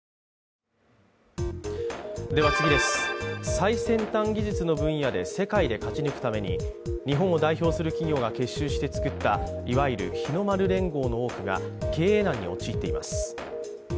最先端技術の分野で世界で勝ち抜くために日本を代表する企業が結集して作ったいわゆる日の丸連合の多くが経営難に陥っています。